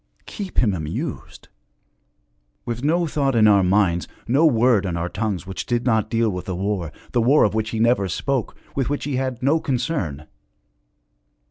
Keep him amused! With no thought in our minds, no word on our tongues which did not deal with the war, the war of which he never spoke, with which he had no concern!